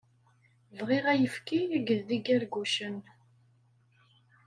Bɣiɣ ayefki akked d igargucen.